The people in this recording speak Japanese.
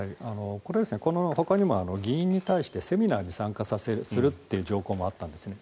これはこのほかにも議員に対してセミナーにも参加するという条項もあったんですね。